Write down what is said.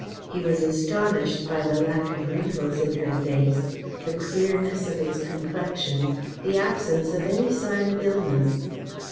He was astonished by the lack of wrinkles in her face, the clearness of its complexion, the absence of any sign of illness.